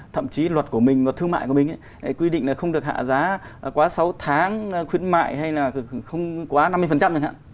thậm chí luật của mình luật thương mại của mình quy định là không được hạ giá quá sáu tháng khuyến mại hay là không quá năm mươi chẳng hạn